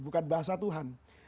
bukan bahasa tuhan